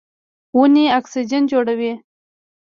ونې اکسیجن جوړوي.